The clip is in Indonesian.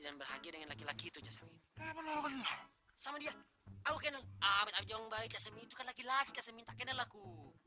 dan berhagia dengan laki laki itu casamin sama dia laki laki laku